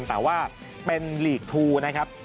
แต่ว่าเป็นหลีกทูนะครับ